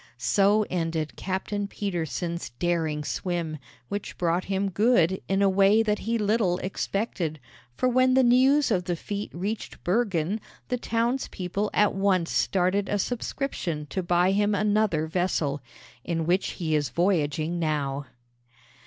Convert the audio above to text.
So ended Captain Petersen's daring swim, which brought him good in a way that he little expected; for when the news of the feat reached Bergen, the townspeople at once started a subscription to buy him another vessel, in which he is voyaging now.